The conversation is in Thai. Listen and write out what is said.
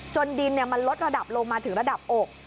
ดินมันลดระดับลงมาถึงระดับอก